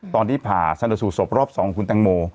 ตอนที่ผ่าสนสูตรสบรอบสองของคุณตังโม